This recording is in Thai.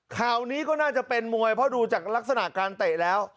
ข่าวนี้ก็น่าจะเป็นมวยเพราะดูจากลักษณะการเตะแล้ว